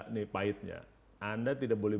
nih pahitnya anda tidak boleh